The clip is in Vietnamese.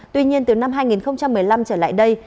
tuy nhiên từ năm hai nghìn một mươi năm trở lại đây